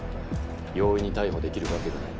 容易に逮捕できるわけがない。